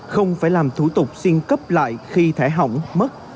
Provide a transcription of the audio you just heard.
không phải làm thủ tục xin cấp lại khi thẻ hỏng mất